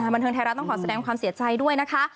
บันเทิงไทยรัฐต้องขอแสดงความเสียใจด้วยนะคะ